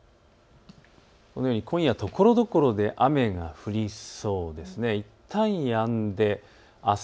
今夜ところどころで雨が降りそうです。